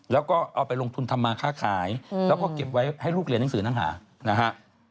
แล้วก็เอาไปลงทุนทำมาค่าขายแล้วก็เก็บไว้ให้ลูกเรียนหนังสือหนังหานะฮะ